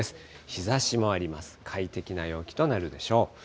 日ざしもあります、快適な陽気となるでしょう。